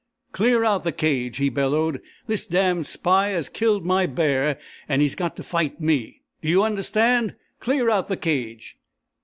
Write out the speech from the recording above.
"Clear out the cage!" he bellowed. "This damned spy has killed my bear and he's got to fight me! Do you understand? Clear out the cage!"